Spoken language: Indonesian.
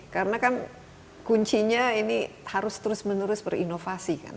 karena kan kuncinya ini harus terus menerus berinovasi kan